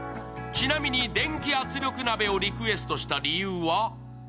ちなみに、電気圧力鍋をリクエストした理由は？